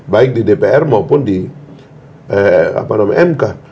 baik di dpr maupun di mk